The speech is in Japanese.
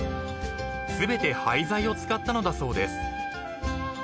［全て廃材を使ったのだそうです］